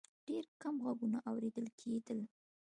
ډېر کم غږونه اورېدل کېدل.